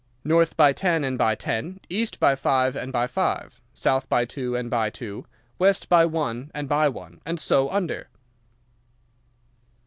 "'North by ten and by ten, east by five and by five, south by two and by two, west by one and by one, and so under.